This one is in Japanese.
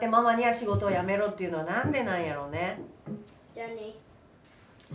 じゃあね。